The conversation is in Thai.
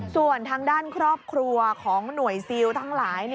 ส่วนทางด้านครอบครัวของหน่วยซิลทั้งหลาย